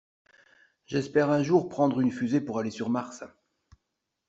J’espère un jour prendre une fusée pour aller sur Mars.